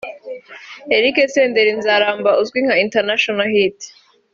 Eric Senderi Nzaramba uzwi nka International hit